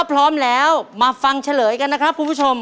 พร้อมแล้วมาฟังเฉลยกันนะครับคุณผู้ชม